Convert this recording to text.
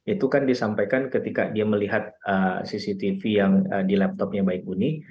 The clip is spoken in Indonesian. itu kan disampaikan ketika dia melihat cctv yang di laptopnya baik unik